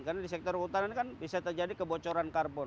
karena di sektor hutan kan bisa terjadi kebocoran karbon